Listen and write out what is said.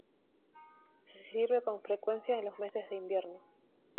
Se sirve con frecuencia en los meses de invierno.